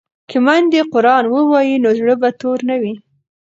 که میندې قران ووايي نو زړه به تور نه وي.